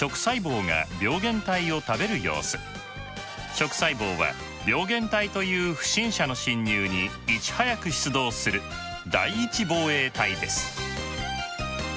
食細胞は病原体という不審者の侵入にいち早く出動する第１防衛隊です。